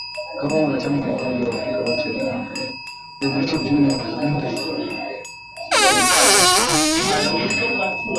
kama mwanachama wa umoja wa afrika mashariki kutaimarisha uchumi wa kikanda na ushindani barani huko na kote duniani